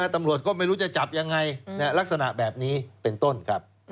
ตำรวจก็ไม่รู้จะจับยังไงลักษณะแบบนี้เป็นต้นครับ